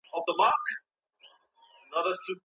کتابت بې خطاطۍ نه وي.